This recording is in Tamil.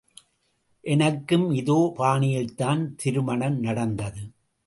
எனக்கும் இதே பாணியில்தான் திருமணம் நடந்தது.